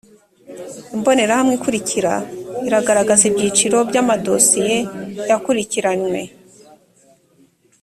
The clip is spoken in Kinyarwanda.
imbonerahamwe ikurikira iragaragaza ibyiciro by amadosiye yakurikiranywe